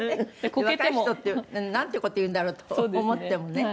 若い人ってなんていう事言うんだろうと思ってもね。